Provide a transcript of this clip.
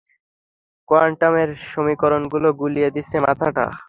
কোয়ান্টামের সমীকরণগুলো গুলিয়ে দিচ্ছে মাথাটা।